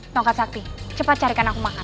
tongkat sakti cepat carikan aku makan